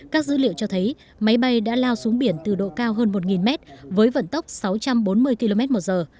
các dữ liệu cho thấy máy bay đã lao xuống biển từ độ cao hơn một mét với vận tốc sáu trăm bốn mươi km một giờ